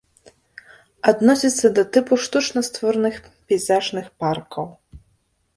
Адносіцца да тыпу штучна створаных пейзажных паркаў.